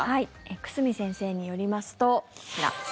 久住先生によりますとこちら。